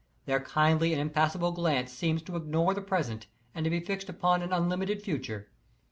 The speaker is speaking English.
Their kindly and impassable glance seems to ignore the present and to be fixed upon an unlimited future.